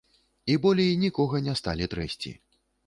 І болей нікога не сталі трэсці.